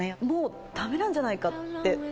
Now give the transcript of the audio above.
もうダメなんじゃないかって。